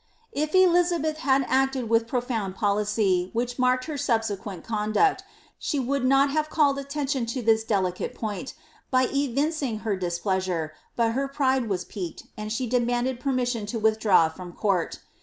If Elizabeth had acted with the profound policy which marked her sub^uent conduct, she would not have called attention to this deli caie point, by evincing her displeasure, but her pride was piqued, and she demanded permission to withdraw from court.